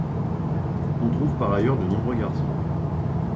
On trouve par ailleurs de nombreux garçons.